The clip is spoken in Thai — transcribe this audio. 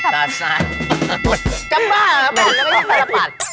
กับบ้านเหรอแปลกก็ไม่ต้องเป็นแปลปัด